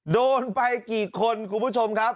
โดนไปกี่คนคุณผู้ชมครับ